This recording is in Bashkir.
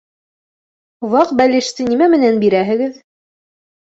Ваҡ бәлеште нимә менән бирәһегеҙ?